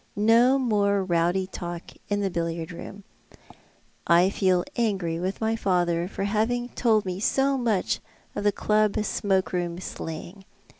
No more rowdy talk in the billiard room. I feel angry with my father for having told me so much of the club smoke room slang.